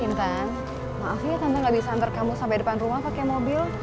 maaf ya tante gak bisa antar kamu sampai depan rumah pakai mobil